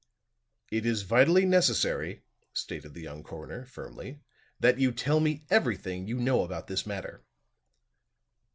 "It is vitally necessary," stated the young coroner, firmly, "that you tell me everything you know about this matter."